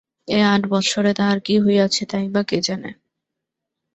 এ আট বৎসরে তাহার কী হইয়াছে তাই বা কে জানে।